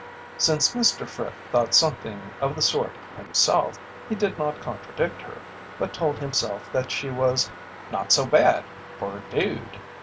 Since Mr. Fripp thought something of the sort himself he did not contradict her, but told himself that she was "not so bad for a dude."